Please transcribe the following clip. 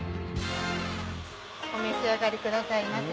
お召し上がりくださいませ。